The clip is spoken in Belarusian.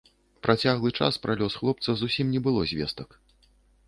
Працяглы час пра лёс хлопца зусім не было звестак.